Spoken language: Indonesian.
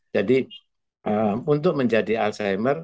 jadi untuk menjadi alzheimer